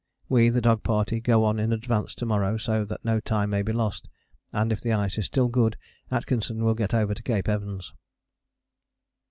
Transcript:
We, the dog party, go on in advance to morrow, so that no time may be lost, and if the ice is still good, Atkinson will get over to Cape Evans.